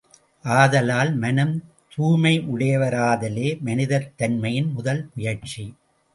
ஆதலால், மனம் தூய்மையுடையாராதலே மனிதத் தன்மையின் முதல் முயற்சி.